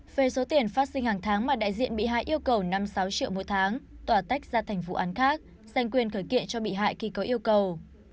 về số tiền phát sinh hàng tháng mà đại diện bị hại yêu cầu năm sáu triệu mỗi tháng tòa tách ra thành vụ án khác dành quyền khởi kiện cho bị hại khi có yêu cầu